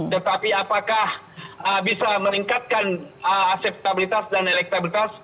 tetapi apakah bisa meningkatkan aseptabilitas dan elektabilitas